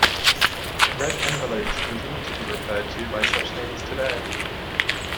Red envelopes continue to be referred to by such names today.